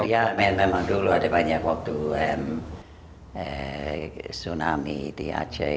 ya memang dulu ada banyak waktu tsunami di aceh